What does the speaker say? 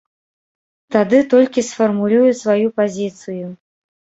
Тады толькі сфармулюе сваю пазіцыю.